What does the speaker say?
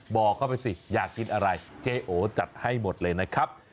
บอกเข้าไปสิอยากกินอะไรเจ๊โอจัดให้หมดเลยนะครับ